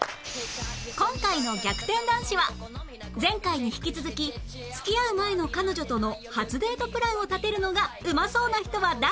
今回の『逆転男子』は前回に引き続き付き合う前の彼女との初デートプランを立てるのがうまそうな人は誰？